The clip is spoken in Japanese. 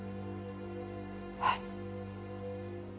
はい。